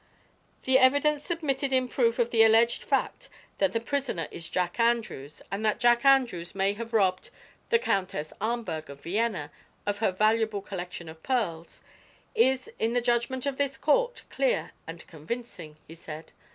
"The evidence submitted in proof of the alleged fact that the prisoner is Jack Andrews, and that Jack Andrews may have robbed the Countess Ahmberg, of Vienna, of her valuable collection of pearls, is in the judgment of this court clear and convincing," he said.